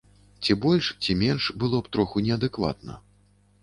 Ці больш, ці менш было б троху неадэкватна.